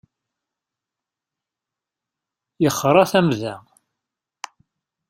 Yexra tamda.